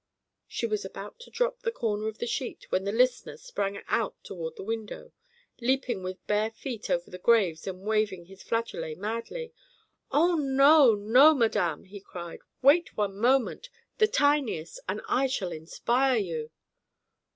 She was about to drop the corner of the sheet when the listener sprang out toward the window, leaping with bare feet over the graves and waving his flageolet madly. "Ah, no no, madame!" he cried. "Wait one moment, the tiniest, and I shall inspire you!"